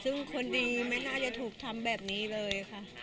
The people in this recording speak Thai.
ซึ่งคนดีไม่น่าจะถูกทำแบบนี้เลยค่ะ